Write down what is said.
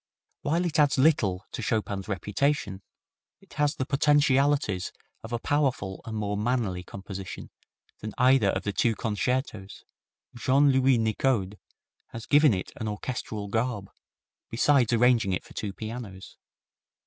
While it adds little to Chopin's reputation, it has the potentialities of a powerful and more manly composition than either of the two concertos. Jean Louis Nicode has given it an orchestral garb, besides arranging it for two pianos.